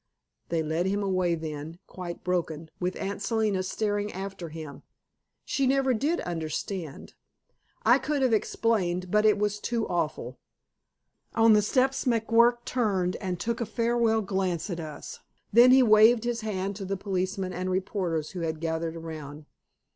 They led him away then, quite broken, with Aunt Selina staring after him. She never did understand. I could have explained, but it was too awful. On the steps McGuirk turned and took a farewell glance at us. Then he waved his hand to the policemen and reporters who had gathered around.